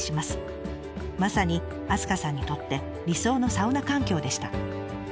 まさに明日香さんにとって理想のサウナ環境でした。